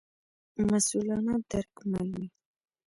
مسوولانه درک مل وي.